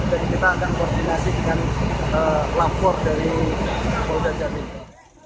dan kita akan koordinasi dengan lapor dari kota jatim